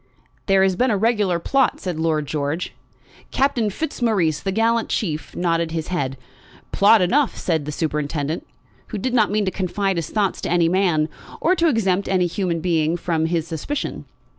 "There has been a regular plot," said Lord George. Captain Fitzmaurice, the gallant chief, nodded his head. "Plot enough," said the superintendent, who did not mean to confide his thoughts to any man, or to exempt any human being from his suspicion.